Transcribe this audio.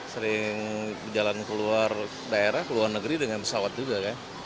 sering berjalan keluar daerah keluar negeri dengan pesawat juga